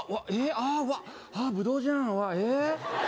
「ああブドウじゃんええっ」